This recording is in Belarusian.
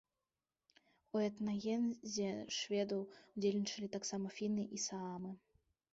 У этнагенезе шведаў удзельнічалі таксама фіны і саамы.